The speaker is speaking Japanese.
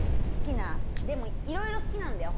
いろいろ好きなんだよ